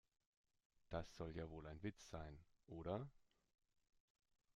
Das soll ja wohl ein Witz sein, oder?